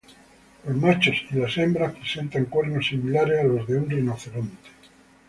Los machos y las hembras presentaban cuernos, similares a los de un rinoceronte.